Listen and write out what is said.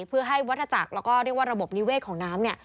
เพื่อให้วัตถจักรและเรียกว่าระบบนิเวศของน้ำ